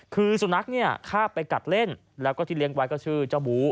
คือสุนัขเนี่ยข้าบไปกัดเล่นแล้วก็ที่เลี้ยงไว้ก็ชื่อเจ้าบู